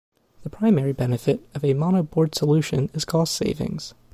The primary benefit of a monoboard solution is cost savings.